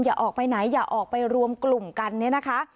อย่าออกไปไหนอย่าออกไปรวมกลุ่มกันเนี่ยนะคะ